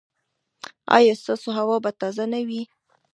ایا ستاسو هوا به تازه نه وي؟